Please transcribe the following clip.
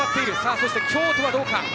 そして京都はどうか。